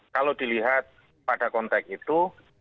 kalau dilihat pada konteks itu